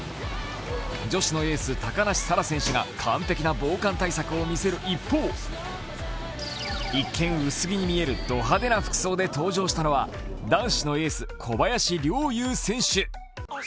女子のエース、高梨沙羅選手が完璧な防寒対策を見せる一方、一見、薄着に見えるド派手な服装で登場したのは男子のエース・小林陵侑選手。